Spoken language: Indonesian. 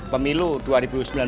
dan juga di dalam pemenangan